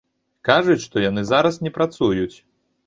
Кажуць, што яны зараз не працуюць.